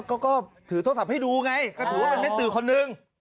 ก็ถือโทรศัพท์ให้ดูไงก็ถือว่าเป็นแม่สื่อคนหนึ่ง